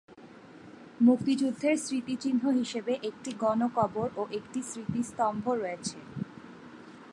মুক্তিযুদ্ধের স্মৃতিচিহ্ন হিসেবে একটি গণকবর ও একটি স্মৃতিস্তম্ভ রয়েছে।